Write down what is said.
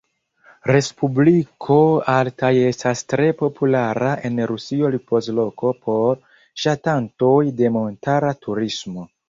Respubliko Altaj estas tre populara en Rusio ripozloko por ŝatantoj de montara turismo.